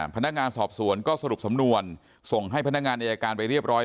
พนักงานสอบสวนก็สรุปสำนวนส่งให้พนักงานอายการไปเรียบร้อย